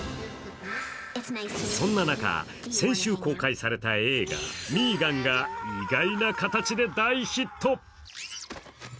そんな中、先週公開された映画「Ｍ３ＧＡＮ／ミーガン」が意外な形で大ヒット。